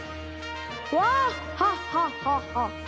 ワッハハハハ！